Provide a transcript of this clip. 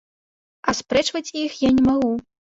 Аспрэчваць іх я не магу.